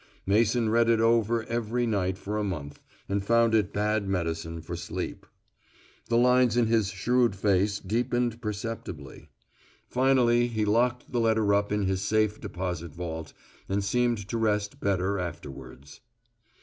Mason read it over every night for a month and found it bad medicine for sleep. The lines in his shrewd face deepened perceptibly. Finally he locked the letter up in his safe deposit vault, and seemed to rest better afterwards.